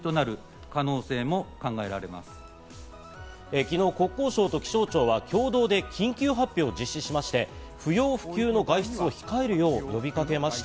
昨日、国交省と気象庁は共同で緊急発表を実施しまして、不要不急の外出を控えるよう、呼びかけました。